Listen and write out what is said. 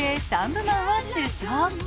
３部門を受賞。